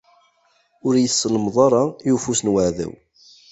Ur iyi-tsellmeḍ ara i ufus n uɛdaw.